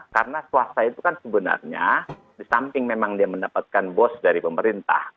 karena swasta itu kan sebenarnya disamping memang dia mendapatkan bos dari pemerintah